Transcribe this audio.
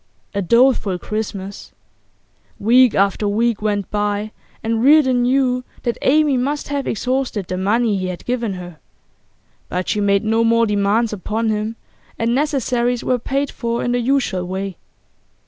A doleful Christmas. Week after week went by and Reardon knew that Amy must have exhausted the money he had given her. But she made no more demands upon him, and necessaries were paid for in the usual way.